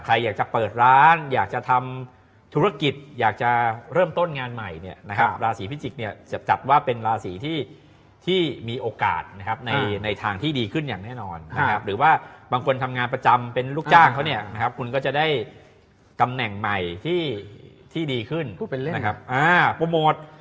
ใครอยากจะเปิดร้านอยากจะทำธุรกิจอยากจะเริ่มต้นงานใหม่เนี่ยนะครับราศีพิจิกเนี่ยจะจัดว่าเป็นราศีที่มีโอกาสนะครับในทางที่ดีขึ้นอย่างแน่นอนนะครับหรือว่าบางคนทำงานประจำเป็นลูกจ้างเขาเนี่ยนะครับคุณก็จะได้ตำแหน่งใหม่ที่ดีขึ้นนะครับโปรโมท